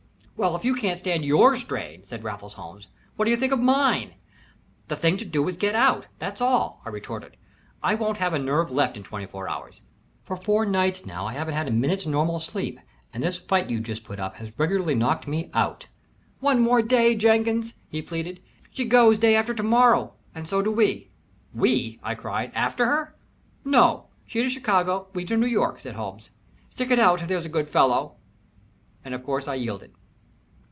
"Well, if you can't stand your strain," said Raffles Holmes, "what do you think of mine?" "The thing to do is to get out, that's all," I retorted. "I won't have a nerve left in twenty four hours. For four nights now I haven't had a minute's normal sleep, and this fight you've just put up has regularly knocked me out." "One more day Jenkins," he pleaded. "She goes day after to morrow, and so do we." "We?" I cried. "After her?" "Nope she to Chicago we to New York," said Holmes. "Stick it out, there's a good fellow," and of course I yielded.